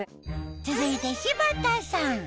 続いて柴田さん